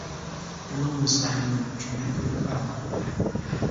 ئۇنىڭ ۋىسالى مەن ئۈچۈن مەڭگۈلۈك ئارمان!